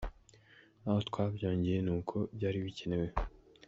Aho twabyongeye ni uko byari bikenewe.